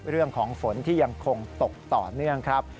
เรื่องของฝนที่ยังคงตกต่อเนื่องครับ